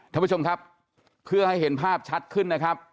ท่านผู้ชมครับเพื่อให้เห็นภาพชัดขึ้นนะครับ